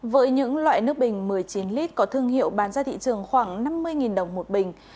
với những loại nước bình một mươi chín lít có thương hiệu bán ra thị trường khoảng năm mươi đồng một bình